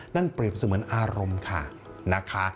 นั่นเปรียบเสมือนอารมณ์ค่ะนะคะ